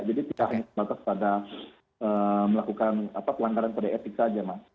jadi tidak hanya melakukan pelanggaran kode etik saja